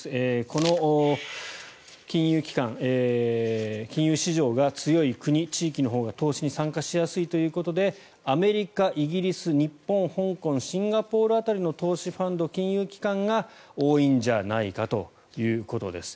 この金融機関金融市場が強い国、地域のほうが投資に参加しやすいということでアメリカ、イギリス、日本香港、シンガポール辺りの投資ファンド、金融機関が多いんじゃないかということです。